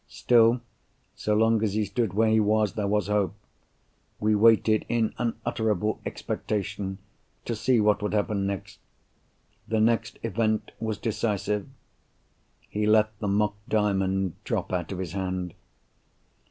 Still, so long as he stood where he was, there was hope. We waited, in unutterable expectation, to see what would happen next. The next event was decisive. He let the mock Diamond drop out of his hand.